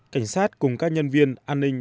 cảnh sát cùng các nhân viên an ninh